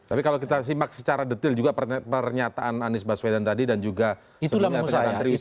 tapi kalau kita simak secara detail juga pernyataan anies baswedan tadi dan juga sebelumnya pernyataan triwisata